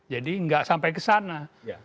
jadi nggak sampai ke sana